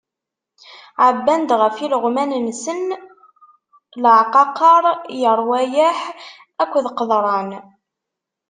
Ɛebban-d ɣef ileɣman-nsen leɛqaqer, lerwayeḥ akked qeḍran.